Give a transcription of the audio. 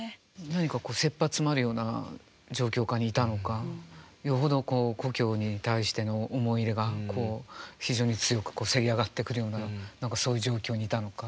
何かせっぱ詰まるような状況下にいたのかよほどこう故郷に対しての思い入れがこう非常に強くせり上がってくるような何かそういう状況にいたのか。